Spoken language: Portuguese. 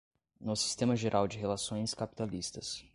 no sistema geral de relações capitalistas